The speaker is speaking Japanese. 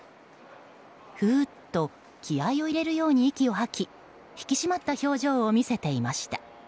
ふーっと気合を入れるように息を吐き、引き締まった表情を見せていました。